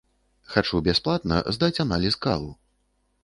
Хачу бясплатна здаць аналіз калу.